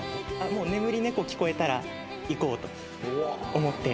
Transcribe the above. もう『眠り猫』聞こえたらいこうと思って。